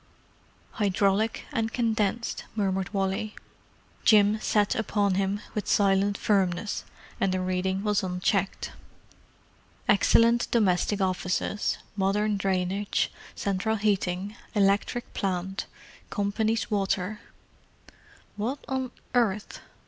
——" "Hydraulic and condensed," murmured Wally. Jim sat upon him with silent firmness, and the reading was unchecked. "Excellent domestic offices, modern drainage, central heating, electric plant, Company's water——" "What on earth——?"